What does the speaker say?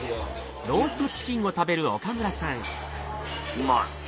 うまい。